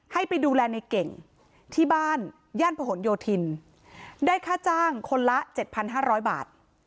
ให้ไปดูแลในเก่งที่บ้านย่านผนโยธินได้ค่าจ้างคนละ๗๕๐๐บาท